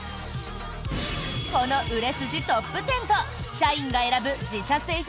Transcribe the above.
この売れ筋トップ１０と社員が選ぶ自社製品